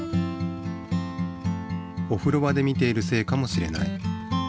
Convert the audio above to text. おふろ場で見ているせいかもしれない。